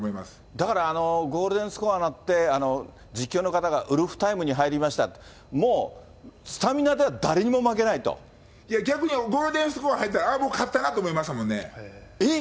だからゴールデンスコアになって、実況の方が、ウルフタイムに入りましたって、もう、スタミナでは誰にも負けないや、逆にゴールデンスコア入って、ああ、もう勝ったなと思いましたもえ？